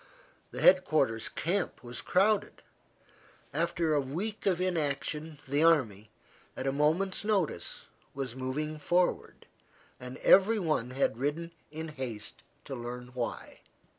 The head quarters camp was crowded. After a week of inaction the army, at a moment's notice, was moving forward, and every one had ridden in haste to learn why.